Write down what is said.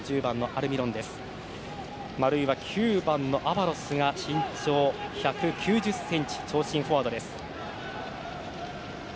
あるいは９番のアヴァロスが身長１９０ｃｍ長身フォワードです。